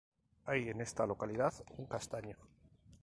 Hay en esta localidad un castaño.